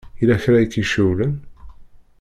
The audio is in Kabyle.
Yella kra i k-icewwlen?